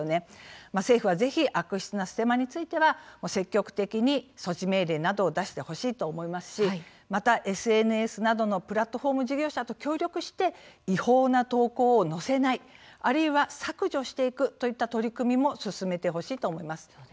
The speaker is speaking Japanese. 政府は是非悪質なステマについては積極的に措置命令などを出してほしいと思いますしまたＳＮＳなどのプラットフォーム事業者と協力して違法な投稿を載せないあるいは削除していくといった取り組みも進めてほしいと思います。